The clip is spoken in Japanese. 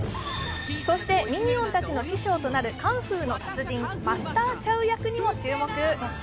そして、ミニオンたちの師匠となるカンフーの達人マスター・チャウ役にも注目。